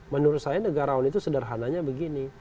menurut saya negarawan itu sederhananya begini